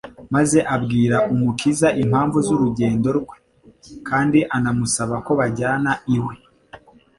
maze abwira Umukiza impamvu z'urugendo rwe, kandi anamusaba ko bajyana iwe.